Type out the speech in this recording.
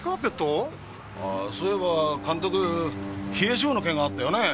そういえば監督冷え性の気があったよねえ。